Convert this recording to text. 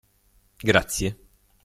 Grazie.